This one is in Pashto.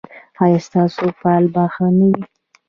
ایا ستاسو فال به ښه نه وي؟